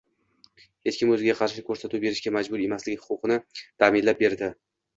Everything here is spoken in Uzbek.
hech kim o‘ziga qarshi ko‘rsatuv berishga majbur emasligi huquqini ta’minlab berdi.